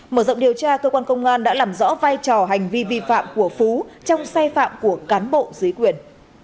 mở rộng điều tra cơ quan công an đã làm rõ vai trò hành vi vi phạm của phú trong sai phạm của cán bộ dưới quyền